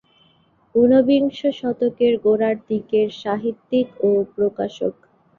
ঊনবিংশ শতকের গোড়ার দিকের সাহিত্যিক ও প্রকাশক।